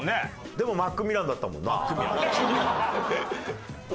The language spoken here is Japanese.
でもマックミランだったもんな。